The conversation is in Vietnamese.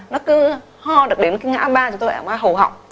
nó cứ ho được đến cái ngã ba chúng ta gọi là hầu họng